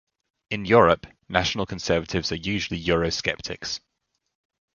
In Europe, national conservatives are usually eurosceptics.